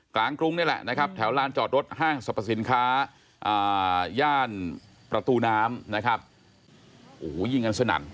กรุงนี่แหละนะครับแถวลานจอดรถห้างสรรพสินค้าย่านประตูน้ำนะครับโอ้โหยิงกันสนั่น